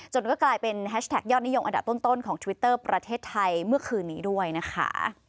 ก็กลายเป็นแฮชแท็กยอดนิยมอันดับต้นของทวิตเตอร์ประเทศไทยเมื่อคืนนี้ด้วยนะคะ